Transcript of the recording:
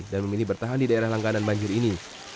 dan memilih bertahan di daerah langganan banjir ini